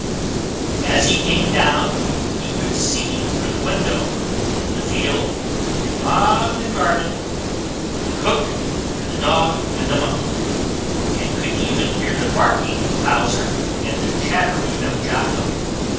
] As he came down, he could see through the window in the field beyond the garden the cook, and the dog, and the monkey, and could even hear the barking of Towser and the chattering of Jocko.